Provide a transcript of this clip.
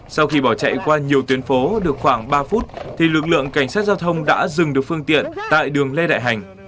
sau khi bỏ chạy qua nhiều tuyến phố được khoảng ba phút thì lực lượng cảnh sát giao thông đã dừng được phương tiện tại đường lê đại hành